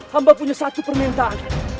hamba punya satu permintaan